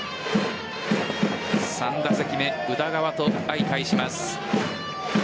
３打席目、宇田川と相対します。